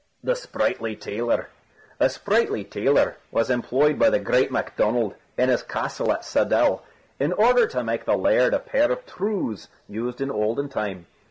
THE SPRIGHTLY TAILOR A sprightly tailor was employed by the great Macdonald, in his castle at Saddell, in order to make the laird a pair of trews, used in olden time.